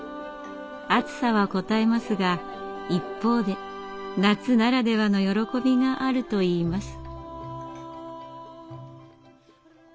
暑さはこたえますが一方で夏ならではの喜びがあるといいます。